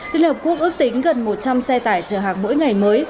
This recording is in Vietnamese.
liên hợp quốc ước tính gần một trăm linh xe tải chở hàng mỗi ngày mới